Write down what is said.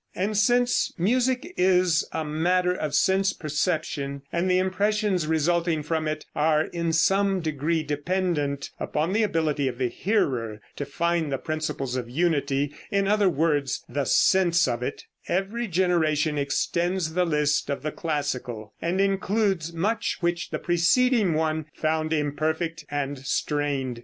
And since music is a matter of sense perception, and the impressions resulting from it are in some degree dependent upon the ability of the hearer to find the principles of unity (in other words, "the sense of it"), every generation extends the list of the classical, and includes much which the preceding one found imperfect and strained.